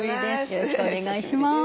よろしくお願いします。